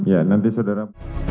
ya nanti saudara